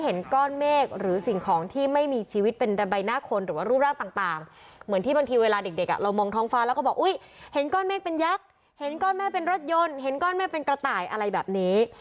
เห็นก้อนแม่เป็นยักษ์เห็นก้อนแม่เป็นรถยนต์เห็นก้อนแม่เป็นกระต่ายอะไรแบบนี้